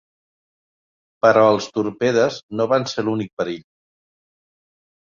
Però els torpedes no van ser l'únic perill.